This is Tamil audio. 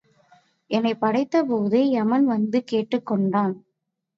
என்னைப் படைத்த போது எமன் வந்து கேட்டுக் கொண்டான்.